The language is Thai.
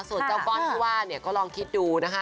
ส่วนเจ้าก้อนคือว่าก็ลองคิดดูนะคะ